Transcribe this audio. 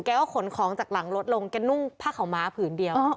ขนของจากหลังรถลงแกนุ่งผ้าขาวม้าผืนเดียว